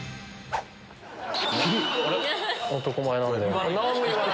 男前なんだよな。